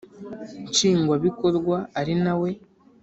Nshingwabikorwa ari na we